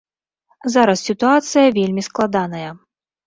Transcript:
Зараз сітуацыя вельмі складаная.